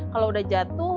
kalau udah jatuh